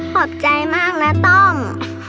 ขอบใจมากนะต้อม